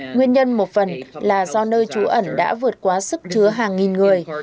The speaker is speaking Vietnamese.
nguyên nhân một phần là do nơi trú ẩn đã vượt qua sức chứa hàng nghìn người